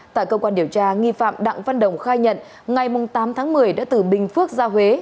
tại cơ quan điều tra nghi phạm đặng văn đồng khai nhận ngày tám tháng một mươi đã từ bình phước ra huế